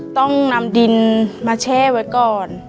ต้องนำดินมาแช่ไว้ก่อน